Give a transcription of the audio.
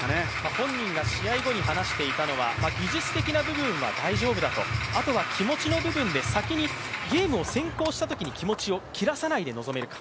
本人が試合後に話していたのは、技術的な部分は大丈夫だと、あとは気持ちの部分でゲームを先行したときに気持ちを切らさないで臨めるか